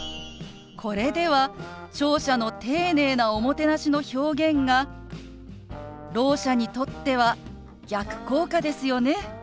これでは聴者の丁寧なおもてなしの表現がろう者にとっては逆効果ですよね。